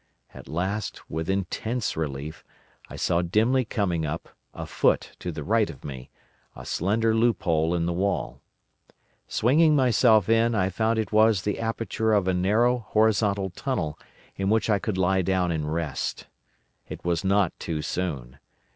At last, with intense relief, I saw dimly coming up, a foot to the right of me, a slender loophole in the wall. Swinging myself in, I found it was the aperture of a narrow horizontal tunnel in which I could lie down and rest. It was not too soon.